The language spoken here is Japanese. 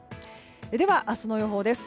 では、明日の予報です。